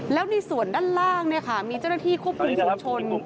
แล้วในส่วนด้านล่างมีเจ้าหน้าที่ควบคุมฝุงชน